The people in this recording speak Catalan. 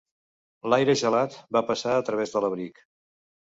L'aire gelat va passar a través de l'abric.